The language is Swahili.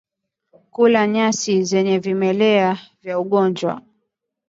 Kula nyasi zenye vimelea vya ugonjwa